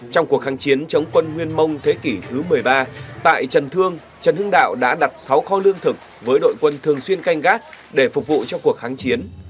trong cuộc kháng chiến chống quân nguyên mông thế kỷ thứ một mươi ba tại trần thương trần hưng đạo đã đặt sáu kho lương thực với đội quân thường xuyên canh gác để phục vụ cho cuộc kháng chiến